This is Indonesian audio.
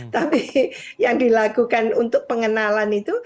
tapi yang dilakukan untuk pengenalan itu